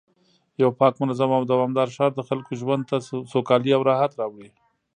یو پاک، منظم او دوامدار ښار د خلکو ژوند ته سوکالي او راحت راوړي